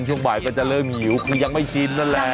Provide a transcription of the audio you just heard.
ช่วงบ่ายก็จะเริ่มหิวคือยังไม่ชินนั่นแหละ